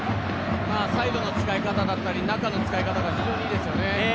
サイドの使い方だったり中の使い方が非常にいいですよね。